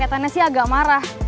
kemengatannya sih agak marah